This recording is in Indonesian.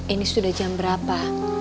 ini sudah jam berapa